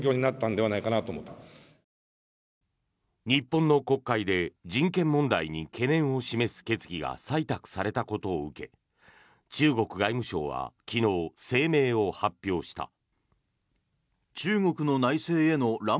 日本の国会で人権問題に懸念を示す決議が採択されたことを受け中国外務省は昨日、声明を発表した。